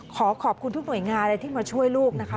ขอขอบคุณทุกหน่วยงานเลยที่มาช่วยลูกนะคะ